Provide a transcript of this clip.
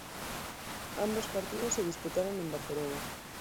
Ambos partidos se disputaron en Barcelona.